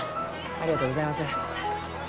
ありがとうございます。